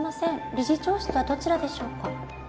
理事長室はどちらでしょうか？